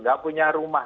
nggak punya rumah